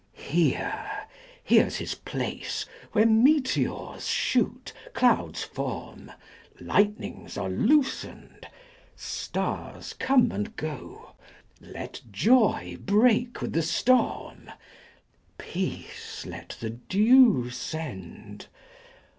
140 Here here's his place, where meteors shoot, clouds form, Lightnings are loosened, Stars come and go! Let joy break with the storm, Peace let the dew send!